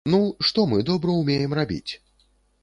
Ну, што мы добра ўмеем рабіць?